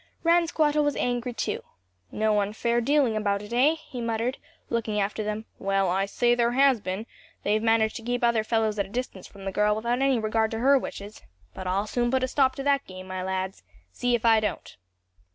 Ransquattle was angry too. "No unfair dealing about it, eh!" he muttered, looking after them. "Well, I say there has been; they've managed to keep other fellows at a distance from the girl without any regard to her wishes. But I'll soon put a stop to that game, my lads. See if I don't."